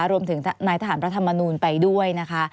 รวมถึงนายทหารพระธรรมนูลไปด้วยนะคะ